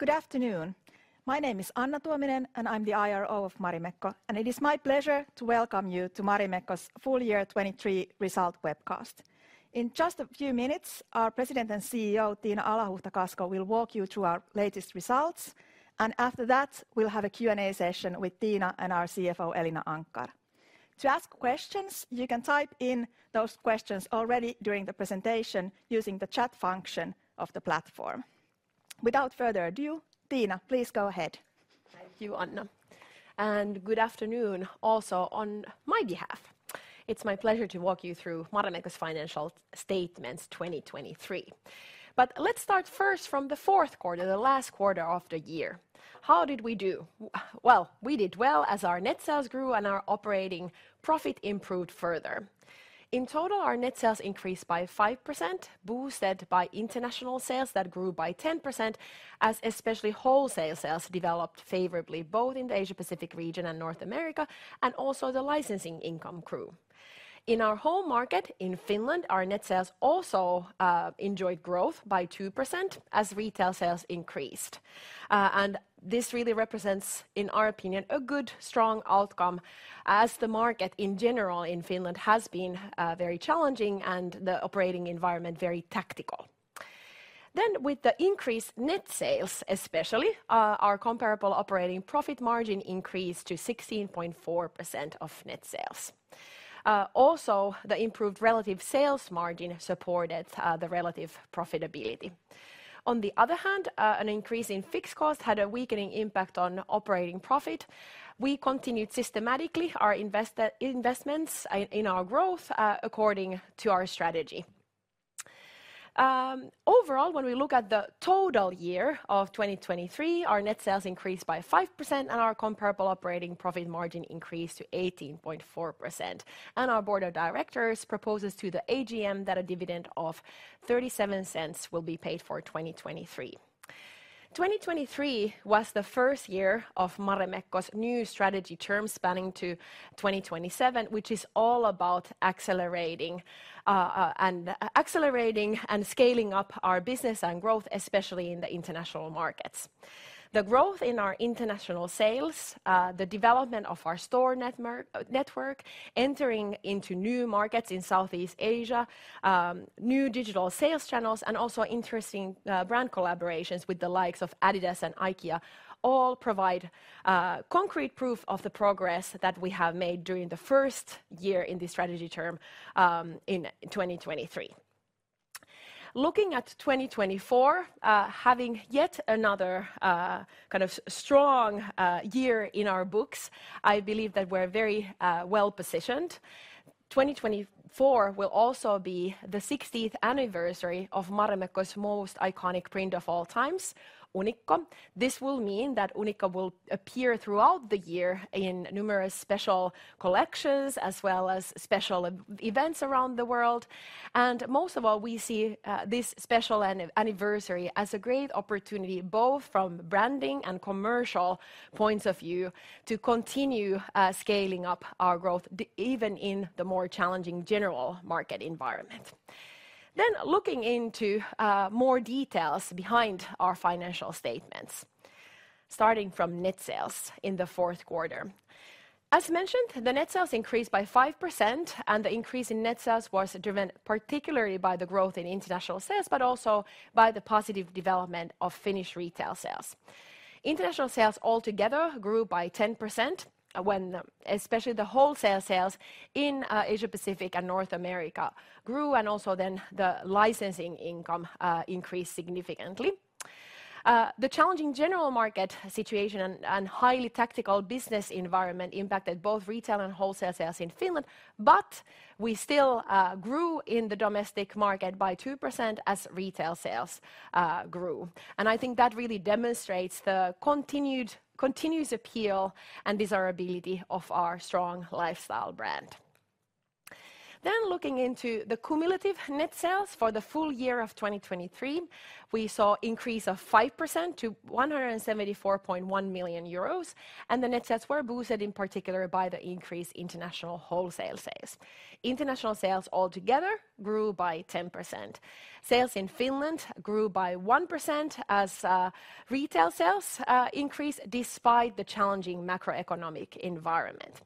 Good afternoon. My name is Anna Tuominen, and I'm the IRO of Marimekko, and it is my pleasure to welcome you to Marimekko's full year 2023 results webcast. In just a few minutes, our President and CEO Tiina Alahuhta-Kasko will walk you through our latest results, and after that we'll have a Q&A session with Tiina and our CFO Elina Anckar. To ask questions, you can type in those questions already during the presentation using the chat function of the platform. Without further ado, Tiina, please go ahead. Thank you, Anna. Good afternoon also on my behalf. It's my pleasure to walk you through Marimekko's financial statements 2023. Let's start first from the fourth quarter, the last quarter of the year. How did we do? Well, we did well as our net sales grew and our operating profit improved further. In total, our net sales increased by 5%, boosted by international sales that grew by 10%, as especially wholesale sales developed favorably both in the Asia-Pacific region and North America, and also the licensing income grew. In our home market in Finland, our net sales also enjoyed growth by 2% as retail sales increased. This really represents, in our opinion, a good, strong outcome as the market in general in Finland has been very challenging and the operating environment very tactical. With the increased net sales, especially, our comparable operating profit margin increased to 16.4% of net sales. The improved relative sales margin supported the relative profitability. On the other hand, an increase in fixed costs had a weakening impact on operating profit. We continued systematically our investments in our growth according to our strategy. Overall, when we look at the total year of 2023, our net sales increased by 5% and our comparable operating profit margin increased to 18.4%. Our Board of Directors proposes to the AGM that a dividend of 0.37 will be paid for 2023. 2023 was the first year of Marimekko's new strategy term spanning to 2027, which is all about accelerating and scaling up our business and growth, especially in the international markets. The growth in our international sales, the development of our store network, entering into new markets in Southeast Asia, new digital sales channels, and also interesting brand collaborations with the likes of adidas and IKEA all provide concrete proof of the progress that we have made during the first year in the strategy term in 2023. Looking at 2024, having yet another kind of strong year in our books, I believe that we're very well positioned. 2024 will also be the 60th anniversary of Marimekko's most iconic print of all times, Unikko. This will mean that Unikko will appear throughout the year in numerous special collections as well as special events around the world. And most of all, we see this special anniversary as a great opportunity both from branding and commercial points of view to continue scaling up our growth even in the more challenging general market environment. Looking into more details behind our financial statements, starting from net sales in the fourth quarter. As mentioned, the net sales increased by 5% and the increase in net sales was driven particularly by the growth in international sales, but also by the positive development of Finnish retail sales. International sales altogether grew by 10%, especially the wholesale sales in Asia-Pacific and North America grew, and also then the licensing income increased significantly. The challenging general market situation and highly tactical business environment impacted both retail and wholesale sales in Finland, but we still grew in the domestic market by 2% as retail sales grew. I think that really demonstrates the continued appeal and desirability of our strong lifestyle brand. Then looking into the cumulative net sales for the full year of 2023, we saw an increase of 5% to 174.1 million euros, and the net sales were boosted in particular by the increase in international wholesale sales. International sales altogether grew by 10%. Sales in Finland grew by 1% as retail sales increased despite the challenging macroeconomic environment.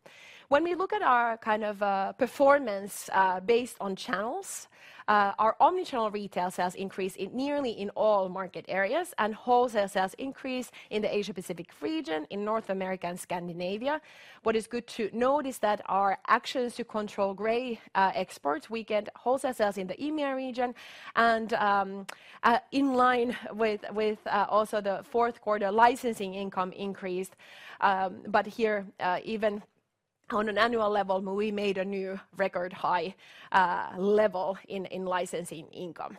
When we look at our kind of performance based on channels, our omnichannel retail sales increased nearly in all market areas and wholesale sales increased in the Asia-Pacific region, in North America and Scandinavia. What is good to note is that our actions to control gray exports weakened wholesale sales in the EMEA region. And in line with also the fourth quarter, licensing income increased. But here even on an annual level, we made a new record high level in licensing income.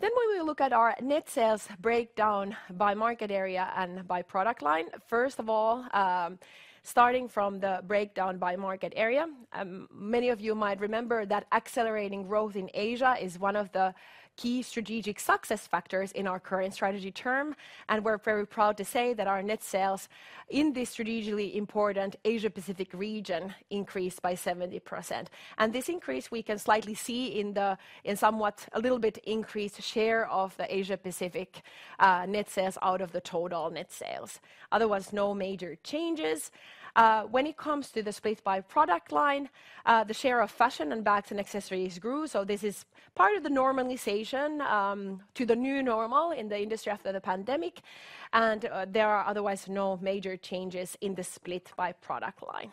Then when we look at our net sales breakdown by market area and by product line, first of all, starting from the breakdown by market area, many of you might remember that accelerating growth in Asia is one of the key strategic success factors in our current strategy term. And we're very proud to say that our net sales in this strategically important Asia-Pacific region increased by 70%. And this increase we can slightly see in the somewhat a little bit increased share of the Asia-Pacific net sales out of the total net sales. Otherwise, no major changes. When it comes to the split by product line, the share of fashion and bags and accessories grew. So this is part of the normalization to the new normal in the industry after the pandemic. And there are otherwise no major changes in the split by product line.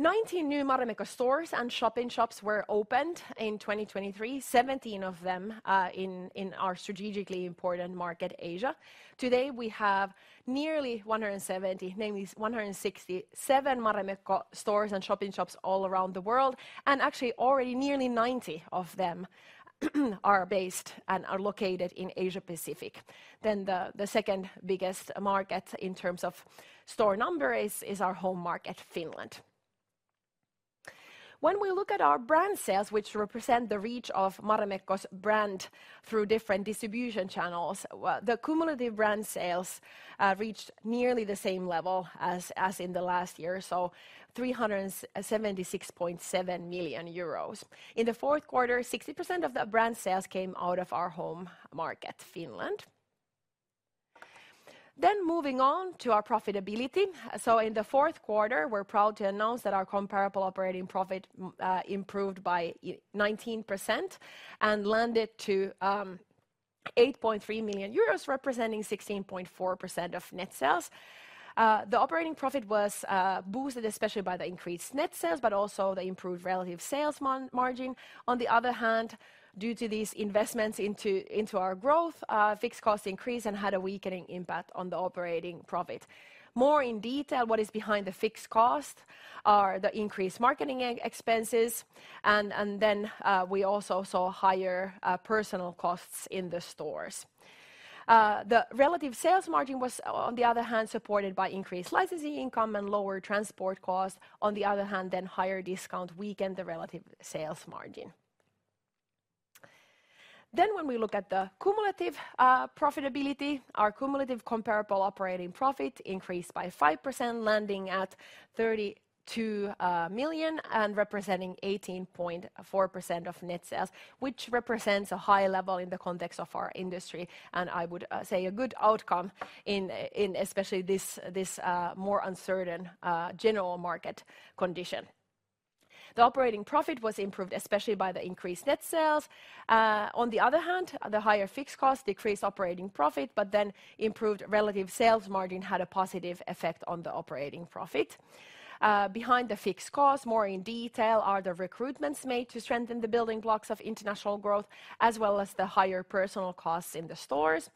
19 new Marimekko stores and shop-in-shops were opened in 2023, 17 of them in our strategically important market, Asia. Today we have nearly 170, namely 167 Marimekko stores and shop-in-shops all around the world. Actually already nearly 90 of them are based and are located in Asia-Pacific. The second biggest market in terms of store number is our home market, Finland. When we look at our brand sales, which represent the reach of Marimekko's brand through different distribution channels, the cumulative brand sales reached nearly the same level as in the last year, so 376.7 million euros. In the fourth quarter, 60% of the brand sales came out of our home market, Finland. Moving on to our profitability. In the fourth quarter, we're proud to announce that our comparable operating profit improved by 19% and landed to 8.3 million euros, representing 16.4% of net sales. The operating profit was boosted especially by the increased net sales, but also the improved relative sales margin. On the other hand, due to these investments into our growth, fixed costs increased and had a weakening impact on the operating profit. More in detail, what is behind the fixed costs are the increased marketing expenses. Then we also saw higher personal costs in the stores. The relative sales margin was, on the other hand, supported by increased licensing income and lower transport costs. On the other hand, then higher discounts weakened the relative sales margin. When we look at the cumulative profitability, our cumulative comparable operating profit increased by 5%, landing at 32 million and representing 18.4% of net sales, which represents a high level in the context of our industry. I would say a good outcome in especially this more uncertain general market condition. The operating profit was improved especially by the increased net sales. On the other hand, the higher fixed costs decreased operating profit, but then improved relative sales margin had a positive effect on the operating profit. Behind the fixed costs, more in detail, are the recruitments made to strengthen the building blocks of international growth, as well as the higher personal costs in the stores.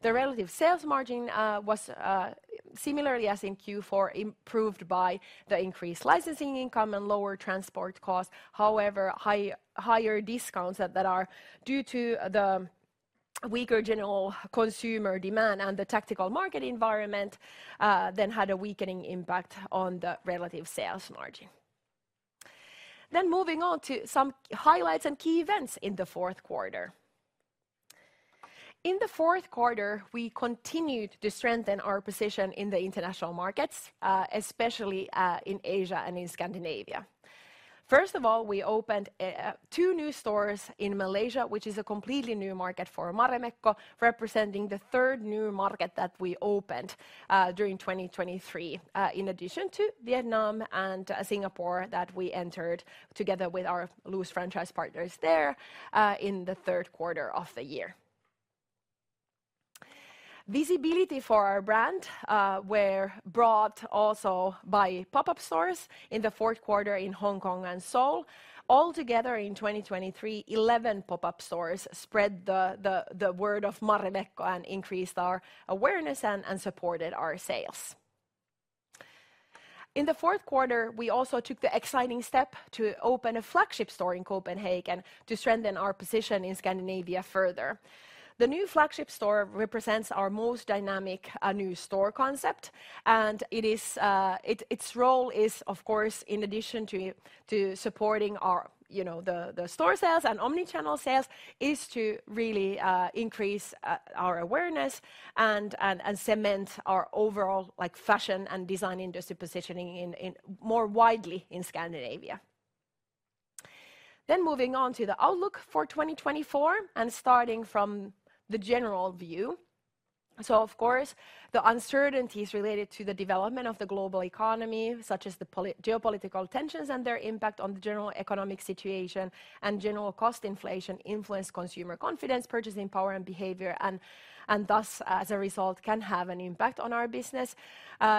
The relative sales margin was, similarly as in Q4, improved by the increased licensing income and lower transport costs. However, higher discounts that are due to the weaker general consumer demand and the tactical market environment then had a weakening impact on the relative sales margin. Then moving on to some highlights and key events in the fourth quarter. In the fourth quarter, we continued to strengthen our position in the international markets, especially in Asia and in Scandinavia. First of all, we opened two new stores in Malaysia, which is a completely new market for Marimekko, representing the third new market that we opened during 2023, in addition to Vietnam and Singapore that we entered together with our local franchise partners there in the third quarter of the year. Visibility for our brand were brought also by pop-up stores in the fourth quarter in Hong Kong and Seoul. Altogether in 2023, 11 pop-up stores spread the word of Marimekko and increased our awareness and supported our sales. In the fourth quarter, we also took the exciting step to open a flagship store in Copenhagen to strengthen our position in Scandinavia further. The new flagship store represents our most dynamic new store concept. Its role is, of course, in addition to supporting our store sales and omnichannel sales, is to really increase our awareness and cement our overall fashion and design industry positioning more widely in Scandinavia. Moving on to the outlook for 2024 and starting from the general view. So, of course, the uncertainties related to the development of the global economy, such as the geopolitical tensions and their impact on the general economic situation and general cost inflation, influence consumer confidence, purchasing power and behavior, and thus, as a result, can have an impact on our business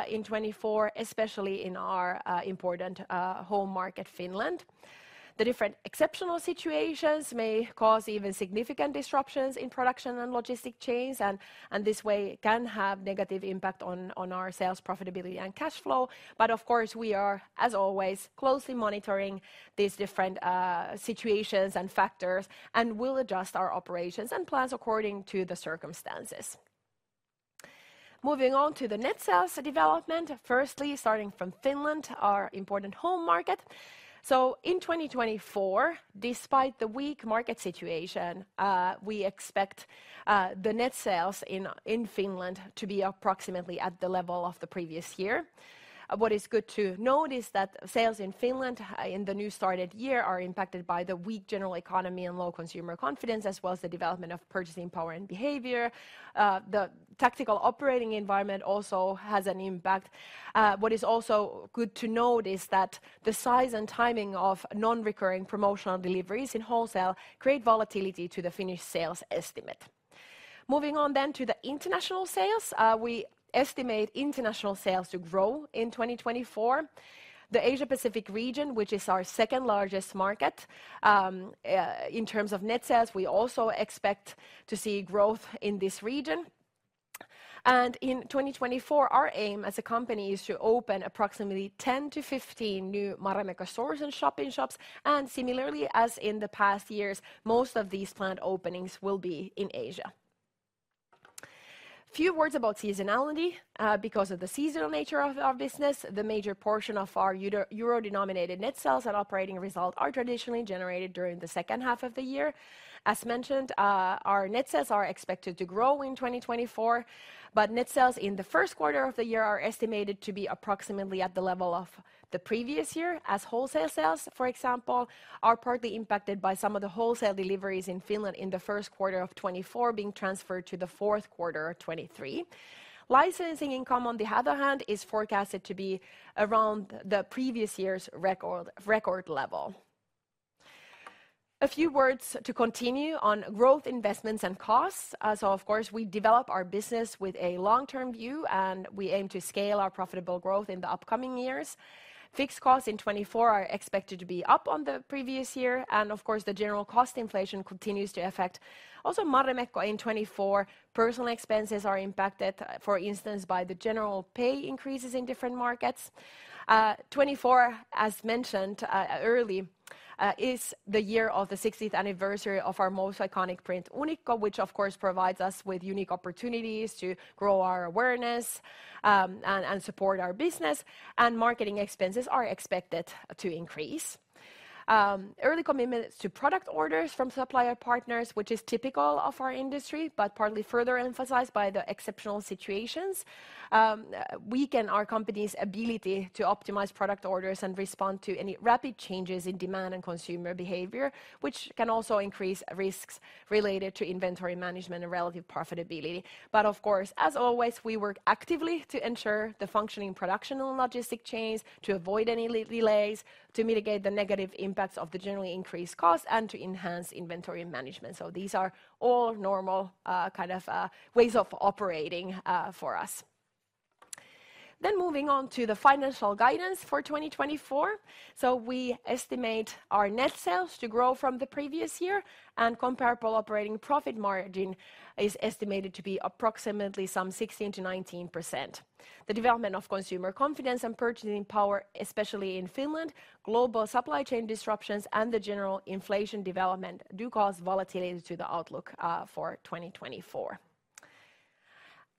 in 2024, especially in our important home market, Finland. The different exceptional situations may cause even significant disruptions in production and logistics chains, and this way can have a negative impact on our sales profitability and cash flow. But of course, we are, as always, closely monitoring these different situations and factors and will adjust our operations and plans according to the circumstances. Moving on to the net sales development. Firstly, starting from Finland, our important home market. So in 2024, despite the weak market situation, we expect the net sales in Finland to be approximately at the level of the previous year. What is good to note is that sales in Finland in the newly started year are impacted by the weak general economy and low consumer confidence, as well as the development of purchasing power and behavior. The tactical operating environment also has an impact. What is also good to note is that the size and timing of non-recurring promotional deliveries in wholesale create volatility to the Finnish sales estimate. Moving on then to the international sales, we estimate international sales to grow in 2024. The Asia-Pacific region, which is our second largest market in terms of net sales, we also expect to see growth in this region. And in 2024, our aim as a company is to open approximately 10-15 new Marimekko stores and shopping shops. And similarly, as in the past years, most of these planned openings will be in Asia. Few words about seasonality. Because of the seasonal nature of our business, the major portion of our EUR-denominated net sales and operating result are traditionally generated during the second half of the year. As mentioned, our net sales are expected to grow in 2024, but net sales in the first quarter of the year are estimated to be approximately at the level of the previous year, as wholesale sales, for example, are partly impacted by some of the wholesale deliveries in Finland in the first quarter of 2024 being transferred to the fourth quarter of 2023. Licensing income, on the other hand, is forecasted to be around the previous year's record level. A few words to continue on growth investments and costs. So, of course, we develop our business with a long-term view and we aim to scale our profitable growth in the upcoming years. Fixed costs in 2024 are expected to be up on the previous year. And of course, the general cost inflation continues to affect also Marimekko in 2024. Personal expenses are impacted, for instance, by the general pay increases in different markets. 2024, as mentioned early, is the year of the 60th anniversary of our most iconic print, Unikko, which of course provides us with unique opportunities to grow our awareness and support our business. Marketing expenses are expected to increase. Early commitments to product orders from supplier partners, which is typical of our industry, but partly further emphasized by the exceptional situations, weaken our company's ability to optimize product orders and respond to any rapid changes in demand and consumer behavior, which can also increase risks related to inventory management and relative profitability. But of course, as always, we work actively to ensure the functioning production and logistic chains, to avoid any delays, to mitigate the negative impacts of the generally increased costs, and to enhance inventory management. So these are all normal kind of ways of operating for us. Then moving on to the financial guidance for 2024. So we estimate our net sales to grow from the previous year and comparable operating profit margin is estimated to be approximately some 16%-19%. The development of consumer confidence and purchasing power, especially in Finland, global supply chain disruptions, and the general inflation development do cause volatility to the outlook for 2024.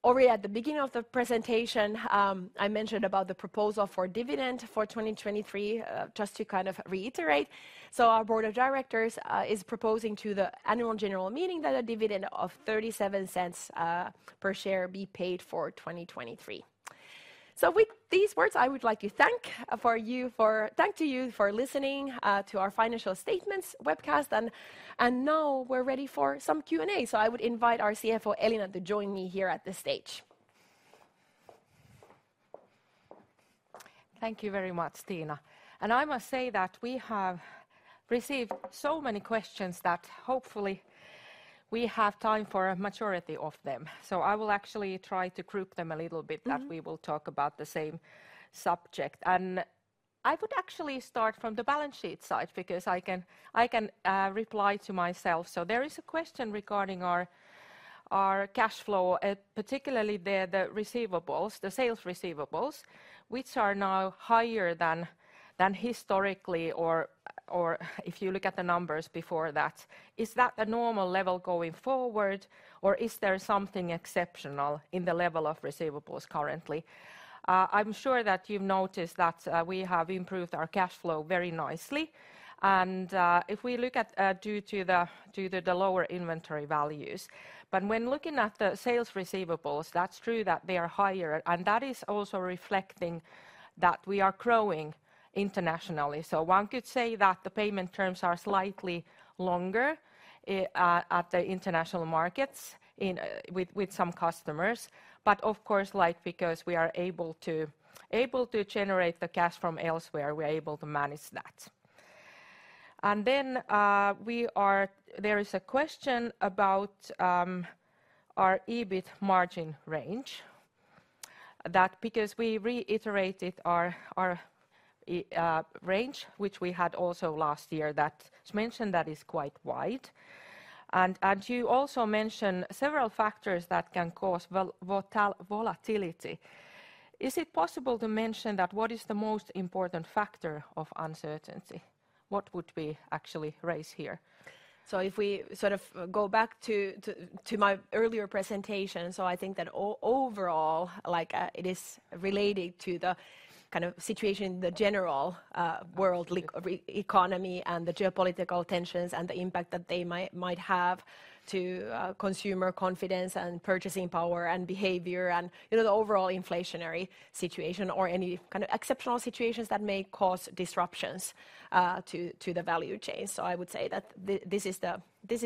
Already at the beginning of the presentation, I mentioned about the proposal for dividend for 2023, just to kind of reiterate. So our board of directors is proposing to the annual general meeting that a dividend of 0.37 per share be paid for 2023. So with these words, I would like to thank you for listening to our Financial Statements webcast. And now we're ready for some Q&A. I would invite our CFO, Elina, to join me here at the stage. Thank you very much, Tiina. And I must say that we have received so many questions that hopefully we have time for a majority of them. So I will actually try to group them a little bit that we will talk about the same subject. And I would actually start from the balance sheet side because I can reply to myself. So there is a question regarding our cash flow, particularly the receivables, the sales receivables, which are now higher than historically. Or if you look at the numbers before that, is that a normal level going forward or is there something exceptional in the level of receivables currently? I'm sure that you've noticed that we have improved our cash flow very nicely. And if we look at due to the lower inventory values. But when looking at the sales receivables, that's true that they are higher. That is also reflecting that we are growing internationally. One could say that the payment terms are slightly longer at the international markets with some customers. Of course, like because we are able to generate the cash from elsewhere, we're able to manage that. Then there is a question about our EBITDA margin range that because we reiterated our range, which we had also last year that's mentioned that is quite wide. You also mentioned several factors that can cause volatility. Is it possible to mention that what is the most important factor of uncertainty? What would we actually raise here? So if we sort of go back to my earlier presentation, so I think that overall, like it is related to the kind of situation in the general world economy and the geopolitical tensions and the impact that they might have to consumer confidence and purchasing power and behavior and the overall inflationary situation or any kind of exceptional situations that may cause disruptions to the value chain. So I would say that this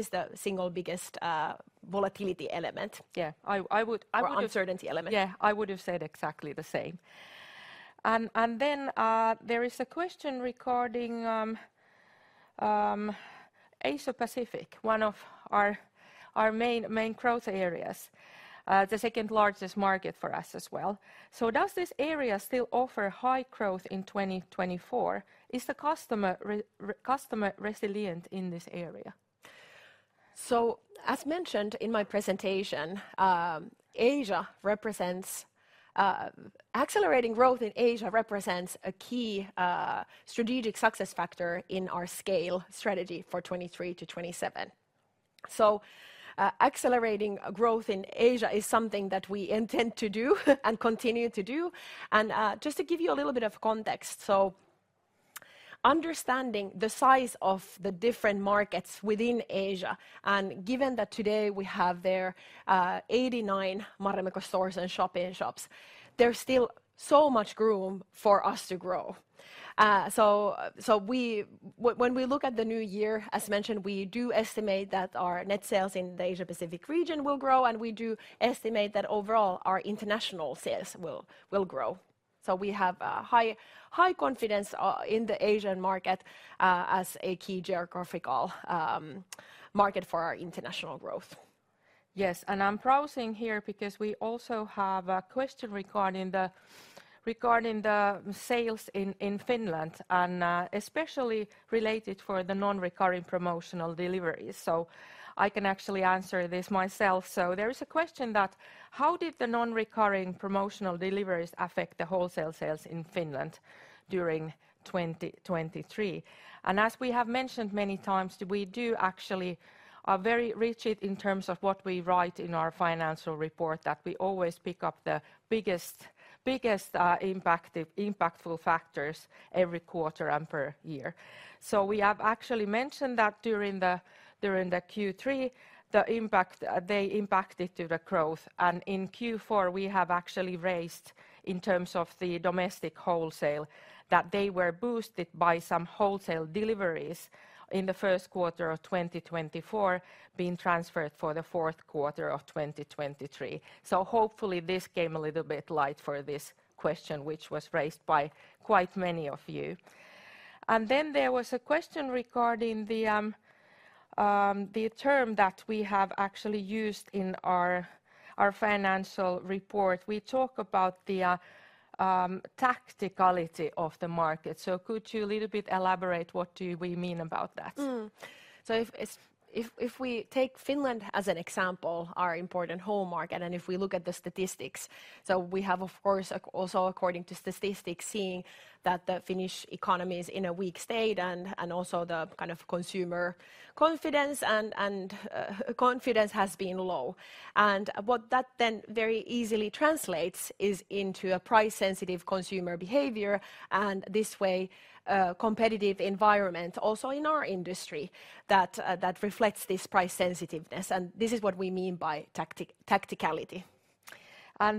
is the single biggest volatility element. Yeah, I would have said the same thing. Yeah, I would have said exactly the same. Then there is a question regarding Asia-Pacific, one of our main growth areas, the second largest market for us as well. So does this area still offer high growth in 2024? Is the customer resilient in this area? So as mentioned in my presentation, Asia represents accelerating growth in Asia represents a key strategic success factor in our scale strategy for 2023 to 2027. So accelerating growth in Asia is something that we intend to do and continue to do. And just to give you a little bit of context, so understanding the size of the different markets within Asia, and given that today we have there 89 Marimekko stores and shopping shops, there's still so much room for us to grow. So when we look at the new year, as mentioned, we do estimate that our net sales in the Asia-Pacific region will grow, and we do estimate that overall our international sales will grow. So we have high confidence in the Asian market as a key geographical market for our international growth. Yes. And I'm browsing here because we also have a question regarding the sales in Finland and especially related for the non-recurring promotional deliveries. So I can actually answer this myself. So there is a question that how did the non-recurring promotional deliveries affect the wholesale sales in Finland during 2023? And as we have mentioned many times, we do actually are very rigid in terms of what we write in our financial report that we always pick up the biggest impactful factors every quarter and per year. So we have actually mentioned that during the Q3, they impacted to the growth. And in Q4, we have actually raised in terms of the domestic wholesale that they were boosted by some wholesale deliveries in the first quarter of 2024 being transferred for the fourth quarter of 2023. Hopefully this came a little bit light for this question, which was raised by quite many of you. Then there was a question regarding the term that we have actually used in our financial report. We talk about the volatility of the market. Could you a little bit elaborate what do we mean about that? If we take Finland as an example, our important home market, and if we look at the statistics, so we have, of course, also according to statistics seeing that the Finnish economy is in a weak state and also the kind of consumer confidence has been low. What that then very easily translates is into a price-sensitive consumer behavior. This way, competitive environment also in our industry that reflects this price sensitiveness. This is what we mean by tacticality.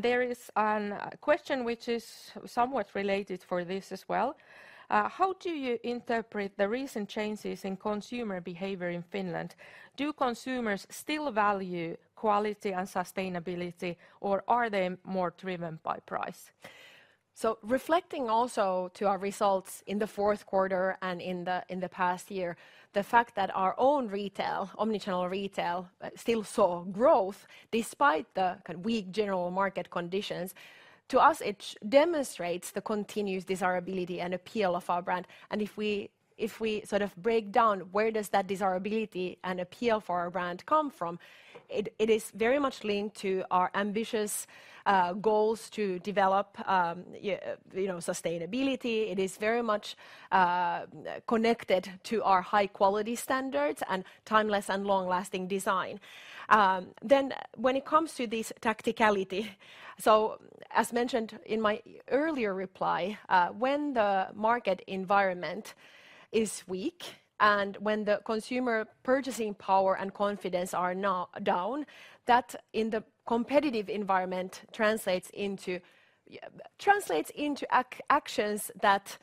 There is a question which is somewhat related for this as well. How do you interpret the recent changes in consumer behavior in Finland? Do consumers still value quality and sustainability or are they more driven by price? Reflecting also to our results in the fourth quarter and in the past year, the fact that our own retail, omnichannel retail still saw growth despite the weak general market conditions, to us, it demonstrates the continuous desirability and appeal of our brand. If we sort of break down where does that desirability and appeal for our brand come from, it is very much linked to our ambitious goals to develop sustainability. It is very much connected to our high quality standards and timeless and long-lasting design. When it comes to this tacticality, so as mentioned in my earlier reply, when the market environment is weak and when the consumer purchasing power and confidence are now down, that in the competitive environment translates into actions that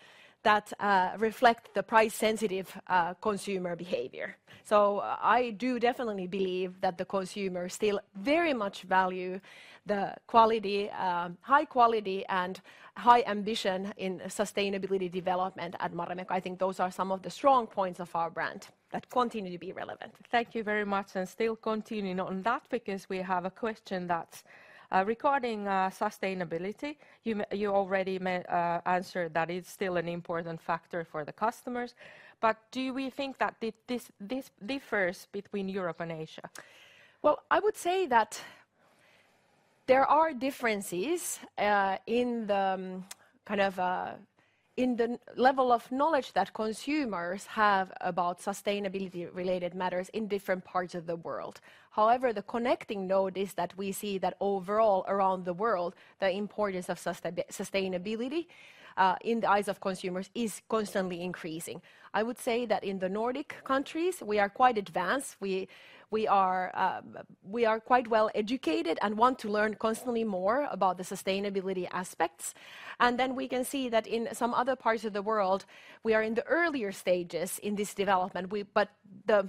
reflect the price-sensitive consumer behavior. I do definitely believe that the consumers still very much value the quality, high quality and high ambition in sustainability development at Marimekko. I think those are some of the strong points of our brand that continue to be relevant. Thank you very much. Still continuing on that because we have a question that's regarding sustainability. You already answered that it's still an important factor for the customers. But do we think that this differs between Europe and Asia? Well, I would say that there are differences in the kind of in the level of knowledge that consumers have about sustainability-related matters in different parts of the world. However, the connecting node is that we see that overall around the world, the importance of sustainability in the eyes of consumers is constantly increasing. I would say that in the Nordic countries, we are quite advanced. We are quite well educated and want to learn constantly more about the sustainability aspects. And then we can see that in some other parts of the world, we are in the earlier stages in this development. But the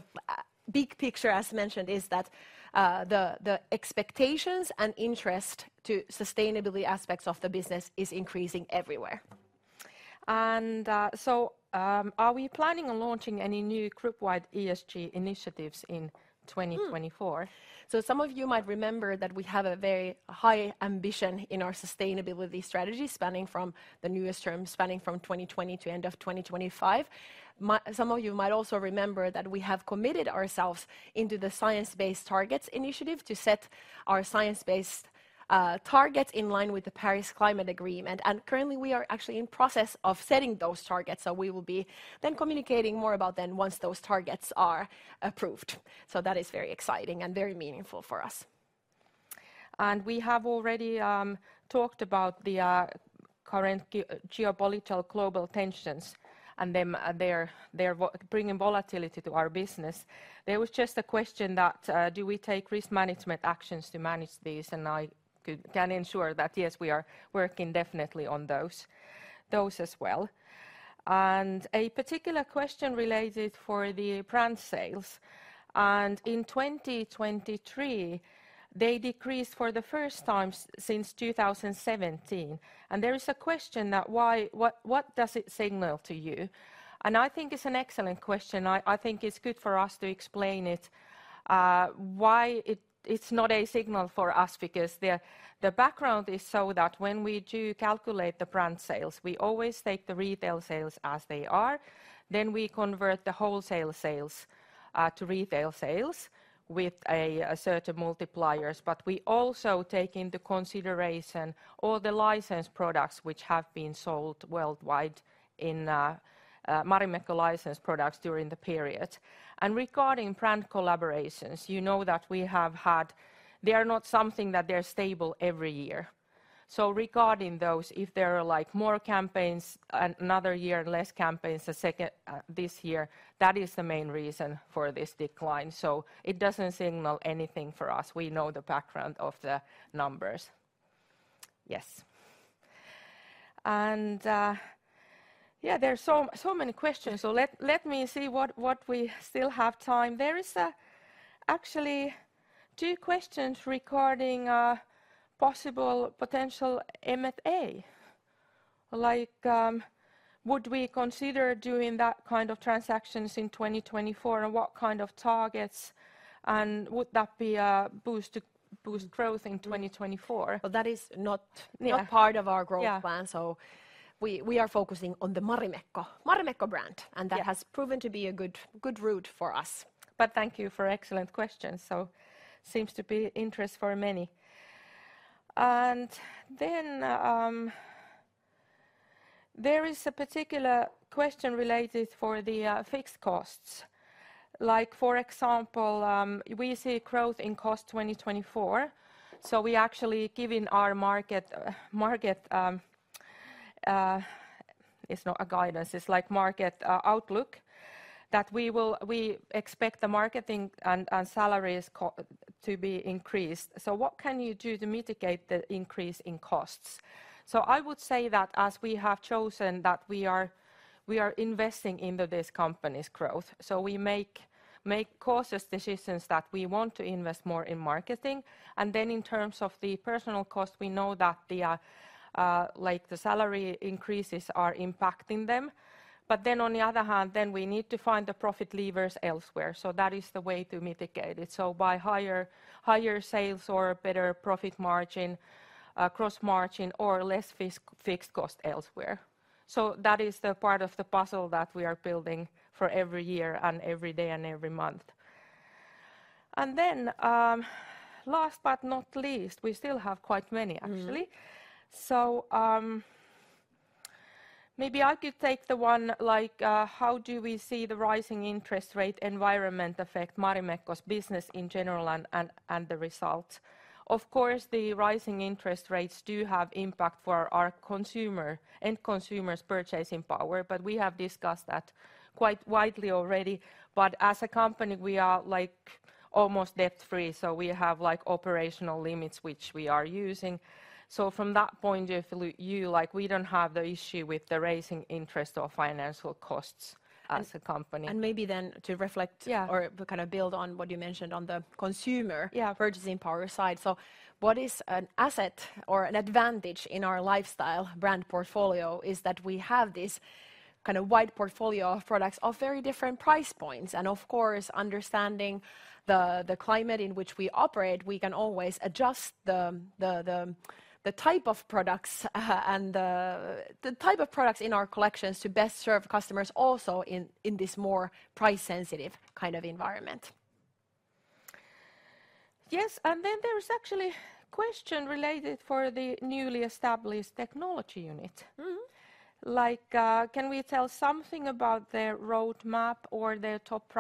big picture, as mentioned, is that the expectations and interest to sustainability aspects of the business is increasing everywhere. Are we planning on launching any new group-wide ESG initiatives in 2024? So some of you might remember that we have a very high ambition in our sustainability strategy spanning from the newest term, spanning from 2020 to end of 2025. Some of you might also remember that we have committed ourselves into the Science Based Targets initiative to set our science-based targets in line with the Paris Climate Agreement. Currently we are actually in process of setting those targets. So we will be then communicating more about them once those targets are approved. So that is very exciting and very meaningful for us. We have already talked about the current geopolitical global tensions and they're bringing volatility to our business. There was just a question that do we take risk management actions to manage these? I can ensure that yes, we are working definitely on those as well. A particular question related for the brand sales. In 2023, they decreased for the first time since 2017. There is a question that why what does it signal to you? I think it's an excellent question. I think it's good for us to explain it why it's not a signal for us because the background is so that when we do calculate the brand sales, we always take the retail sales as they are. Then we convert the wholesale sales to retail sales with certain multipliers. But we also take into consideration all the licensed products which have been sold worldwide in Marimekko licensed products during the period. And regarding brand collaborations, you know that we have had they are not something that they're stable every year. So regarding those, if there are like more campaigns another year and less campaigns this year, that is the main reason for this decline. So it doesn't signal anything for us. We know the background of the numbers. Yes. And yeah, there's so many questions. So let me see what we still have time. There is actually two questions regarding possible potential M&A. Like would we consider doing that kind of transactions in 2024 and what kind of targets and would that be a boost to boost growth in 2024? Well, that is not part of our growth plan. So we are focusing on the Marimekko brand and that has proven to be a good route for us. But thank you for excellent questions. So seems to be interest for many. And then there is a particular question related to the fixed costs. Like, for example, we see growth in costs 2024. So we actually give in our market it's not a guidance, it's like market outlook that we expect the marketing and salaries to be increased. So what can you do to mitigate the increase in costs? So I would say that as we have chosen that we are investing into this company's growth, so we make cautious decisions that we want to invest more in marketing. And then in terms of the personnel costs, we know that the salary increases are impacting them. But then on the other hand, then we need to find the profit levers elsewhere. So that is the way to mitigate it. So by higher sales or better profit margin, gross margin or less fixed cost elsewhere. So that is the part of the puzzle that we are building for every year and every day and every month. And then last but not least, we still have quite many actually. So maybe I could take the one like how do we see the rising interest rate environment affect Marimekko's business in general and the results? Of course, the rising interest rates do have impact for our consumer and consumers' purchasing power. But we have discussed that quite widely already. But as a company, we are like almost debt free. So we have like operational limits which we are using. So from that point of view, like we don't have the issue with the rising interest or financial costs as a company. Maybe then to reflect or kind of build on what you mentioned on the consumer purchasing power side. What is an asset or an advantage in our lifestyle brand portfolio is that we have this kind of wide portfolio of products of very different price points. Of course, understanding the climate in which we operate, we can always adjust the type of products and the type of products in our collections to best serve customers also in this more price-sensitive kind of environment. Yes. And then there is actually a question related for the newly established technology unit. Like can we tell something about their roadmap or their top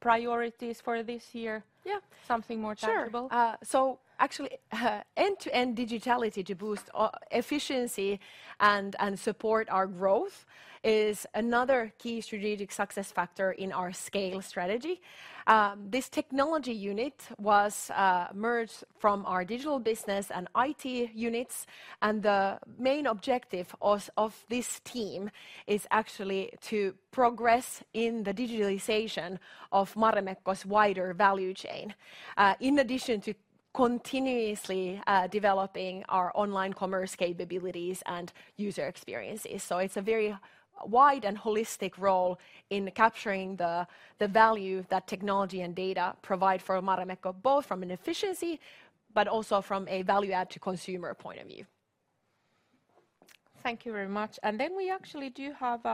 priorities for this year? Yeah, something more tactical. Actually end-to-end digitality to boost efficiency and support our growth is another key strategic success factor in our scale strategy. This technology unit was merged from our digital business and IT units. The main objective of this team is actually to progress in the digitalization of Marimekko's wider value chain, in addition to continuously developing our online commerce capabilities and user experiences. It's a very wide and holistic role in capturing the value that technology and data provide for Marimekko, both from an efficiency but also from a value add to consumer point of view. Thank you very much. Then we actually do have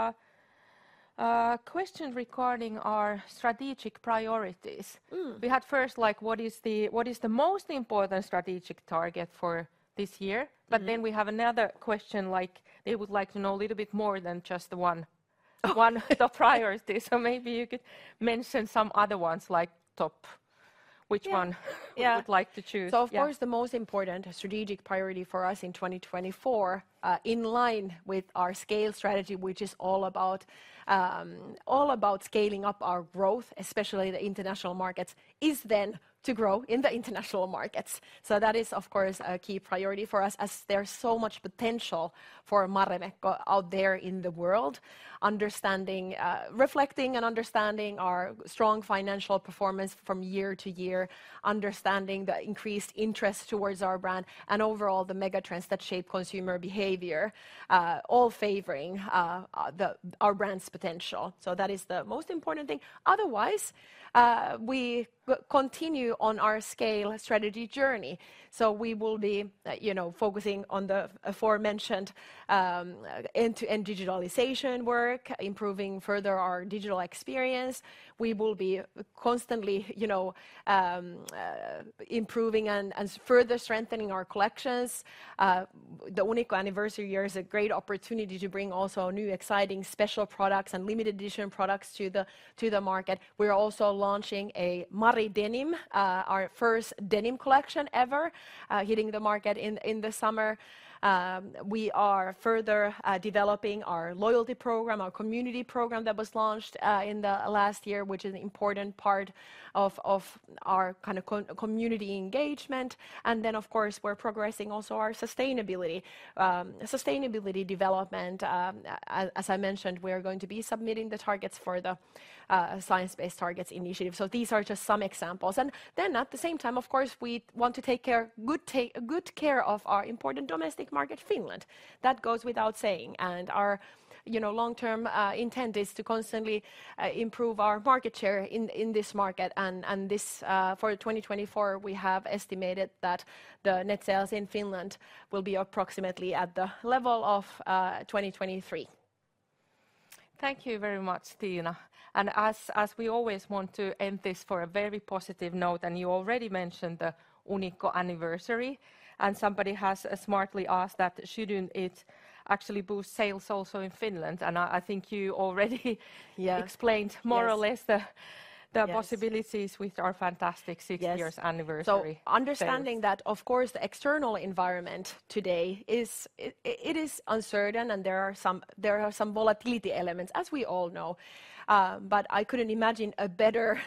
a question regarding our strategic priorities. We had first like what is the most important strategic target for this year? But then we have another question like they would like to know a little bit more than just the one top priority. So maybe you could mention some other ones like top which one you would like to choose. Of course, the most important strategic priority for us in 2024 in line with our scale strategy, which is all about scaling up our growth, especially the international markets, is then to grow in the international markets. That is, of course, a key priority for us as there's so much potential for Marimekko out there in the world, reflecting and understanding our strong financial performance from year to year, understanding the increased interest towards our brand and overall the megatrends that shape consumer behavior, all favoring our brand's potential. That is the most important thing. Otherwise, we continue on our scale strategy journey. We will be focusing on the aforementioned end-to-end digitalization work, improving further our digital experience. We will be constantly improving and further strengthening our collections. The Unikko anniversary year is a great opportunity to bring also new, exciting, special products and limited edition products to the market. We're also launching a Maridenim, our first denim collection ever, hitting the market in the summer. We are further developing our loyalty program, our community program that was launched in the last year, which is an important part of our kind of community engagement. And then, of course, we're progressing also our sustainability development. As I mentioned, we are going to be submitting the targets for the Science Based Targets initiative. So these are just some examples. And then at the same time, of course, we want to take good care of our important domestic market, Finland. That goes without saying. And our long-term intent is to constantly improve our market share in this market. For 2024, we have estimated that the net sales in Finland will be approximately at the level of 2023. Thank you very much, Tiina. And as we always want to end this for a very positive note, and you already mentioned the Unikko anniversary, and somebody has smartly asked that shouldn't it actually boost sales also in Finland? And I think you already explained more or less the possibilities with our fantastic sixth year's anniversary. So understanding that, of course, the external environment today is uncertain and there are some volatility elements, as we all know. But I couldn't imagine a better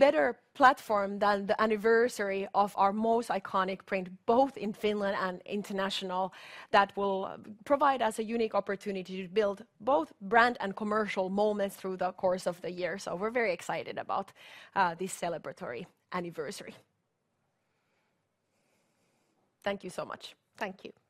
kind of platform than the anniversary of our most iconic print, both in Finland and international, that will provide us a unique opportunity to build both brand and commercial moments through the course of the year. So we're very excited about this celebratory anniversary. Thank you so much. Thank you.